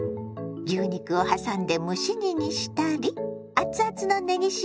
牛肉をはさんで蒸し煮にしたりアツアツのねぎ塩